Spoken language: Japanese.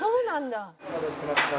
お待たせしました。